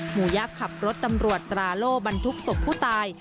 หมูยะขับรถตำรวจตราโล่บรรทุกศพผู้ตาย